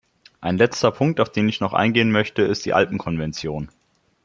Ein letzter Punkt, auf den ich noch eingehen möchte, ist die Alpenkonvention.